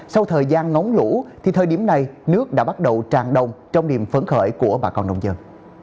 sau thời gian ngóng lũ thì thời điểm này nước đã bắt đầu tràn đồng trong niềm phấn khởi của bà con nông dân